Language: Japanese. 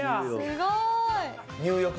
すごい。